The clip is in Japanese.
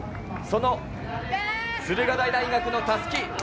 その駿河台大学のたすき。